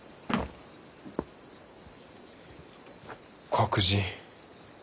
黒人。